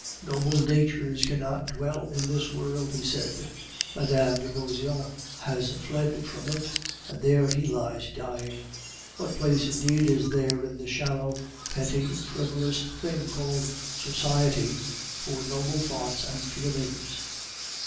"Noble natures cannot dwell in this world," he said; "Mme de Beauseant has fled from it, and there he lies dying. What place indeed is there in the shallow petty frivolous thing called society for noble thoughts and feelings?"